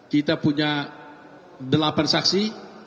kita punya delapan saksi